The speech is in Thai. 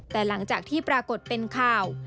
แต่หลังจากที่ปรากฏเป็นข่าว